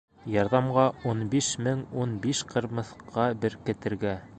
Ярҙамға ун биш мең ун биш ҡырмыҫҡа беркетергә.